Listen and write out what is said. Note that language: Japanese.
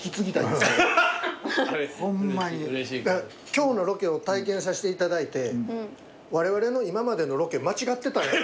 今日のロケを体験さしていただいてわれわれの今までのロケ間違ってたんや。